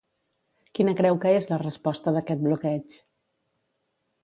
Quina creu que és la resposta d'aquest bloqueig?